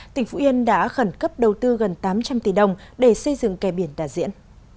tỉnh phú yên đã khẩn cấp đầu tư gần tám trăm linh tỷ đồng để xây dựng kè biển đà diễn